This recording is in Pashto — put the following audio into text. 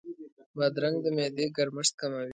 بادرنګ د معدې ګرمښت کموي.